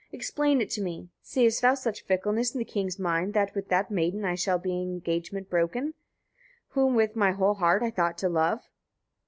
explain it to me: seest thou such fickleness in the king's mind, that with that maiden I shall my engagement break, whom with my whole heart I thought to love?